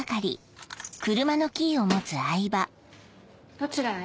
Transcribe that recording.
どちらへ？